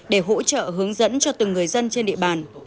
để hỗ trợ hướng dẫn cho từng người dân trên địa bàn